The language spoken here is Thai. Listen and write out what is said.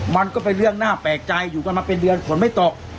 มันก็เป็นเรื่องน่าแปลกใจอยู่กันมาเป็นเดือนฝนไม่ตก